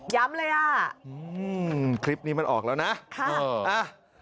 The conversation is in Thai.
เลยอ่ะอืมคลิปนี้มันออกแล้วนะค่ะเอออ่ะ